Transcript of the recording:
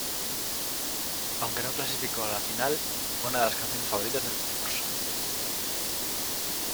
Aunque no clasificó a la final, fue una de las canciones favoritas del concurso.